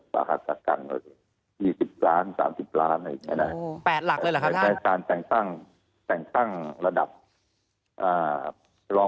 ประธัตรกรรม๔๐ล้าน๓๐ล้านอะไรอย่างนั้น